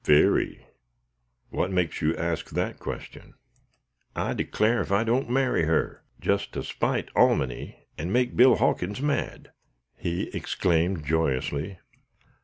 "Very! What makes you ask that question?" "I declare, if I don't marry her, just to spite Alminy, and make Bill Hawkins mad," he exclaimed, joyously.